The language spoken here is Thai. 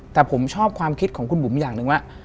แต่ผมชอบความคิดของคุณบุ๋มอย่างหนึ่งว่า